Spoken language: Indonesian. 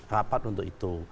rapat untuk itu